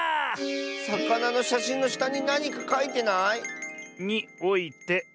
さかなのしゃしんのしたになにかかいてない？